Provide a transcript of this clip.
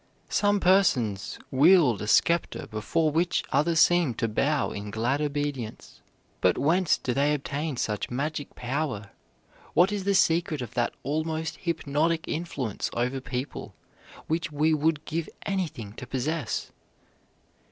Some persons wield a scepter before which others seem to bow in glad obedience. But whence do they obtain such magic power? What is the secret of that almost hypnotic influence over people which we would give anything to possess?